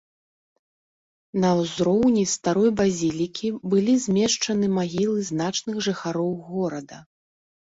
На ўзроўні старой базілікі былі змешчаны магілы значных жыхароў горада.